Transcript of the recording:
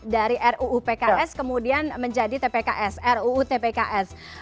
dari ruu pks kemudian menjadi tpks ruu tpks